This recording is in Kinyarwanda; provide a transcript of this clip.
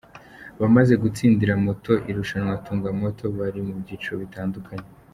Abamaze gutsindira moto mu irushanwa Tunga Moto, bari mu byiciro bitandukanye.